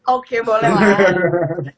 oke boleh lah